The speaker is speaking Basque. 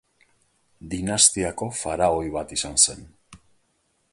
Dinastiako faraoi bat izan zen.